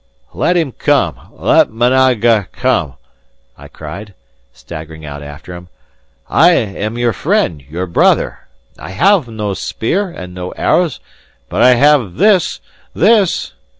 "Let him come! Let Managa come!" I cried, staggering out after him. "I am your friend, your brother; I have no spear and no arrows, but I have this this!"